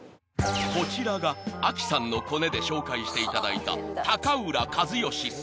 ［こちらがアキさんのコネで紹介していただいた］